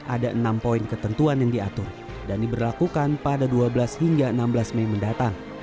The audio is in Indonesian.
ada enam poin ketentuan yang diatur dan diberlakukan pada dua belas hingga enam belas mei mendatang